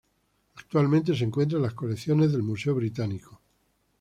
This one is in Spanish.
Actualmente se encuentra en las colecciones del Museo Británico.